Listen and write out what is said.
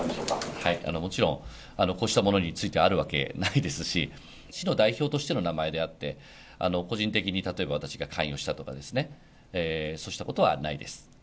もちろん、こうしたものについて、あるわけないですし、市の代表としての名前であって、個人的に例えば私が関与したとかですね、そうしたことはないです。